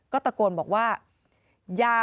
ก็ตะโกนบอกว่า